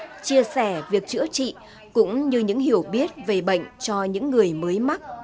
sẽ dưu dắt chia sẻ việc chữa trị cũng như những hiểu biết về bệnh cho những người mắc